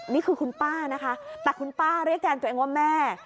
นี่คือคุณป้านะคะแต่คุณป้าเรียกแทนตัวเองว่าแม่